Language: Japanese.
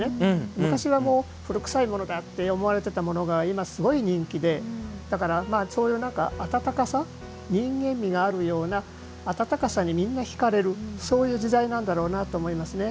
昔はもう古くさいものだと思われていたものが今、すごい人気でだから、そういうあたたかさ人間味があるような温かさにみんな引かれるそういう時代なんだろうなと思いますね。